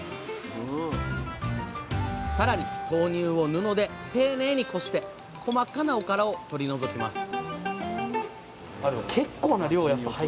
さらに豆乳を布で丁寧にこして細かなおからを取り除きます